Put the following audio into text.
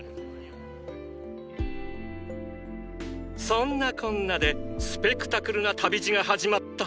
そんなこんなでスペクタクルな旅路が始まった！